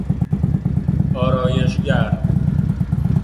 آرایش گر